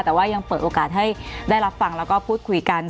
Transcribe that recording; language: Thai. แต่ว่ายังเปิดโอกาสให้ได้รับฟังแล้วก็พูดคุยกัน